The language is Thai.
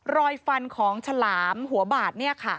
รอยฟันของฉลามหัวบาด